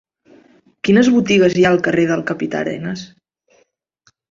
Quines botigues hi ha al carrer del Capità Arenas?